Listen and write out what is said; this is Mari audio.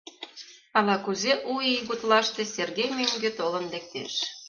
Ала-кузе у ий гутлаште Сергей мӧҥгӧ толын лектеш.